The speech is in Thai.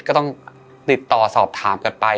ก็ต้องติดต่อสอบถามกันไป